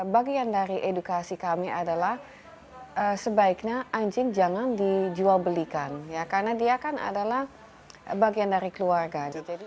bagian dari edukasi kami adalah sebaiknya anjing jangan dijual belikan ya karena dia kan adalah bagian dari keluarga